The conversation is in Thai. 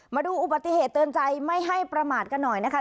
มาดูอุบัติเหตุเตือนใจไม่ให้ประมาทกันหน่อยนะคะ